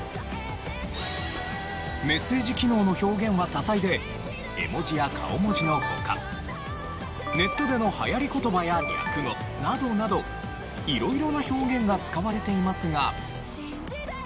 メッセージ機能の表現は多彩で絵文字や顔文字の他ネットでの流行り言葉や略語などなど色々な表現が使われていますが。